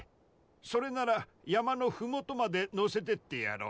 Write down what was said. それなら山の麓まで乗せてってやろう。